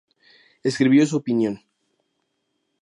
Escribió su Op.